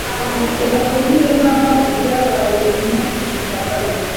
Reka twigire nkaho ibyabaye uyu munsi bitabaye